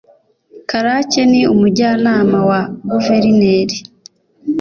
karake ni umujyanama wa guverineri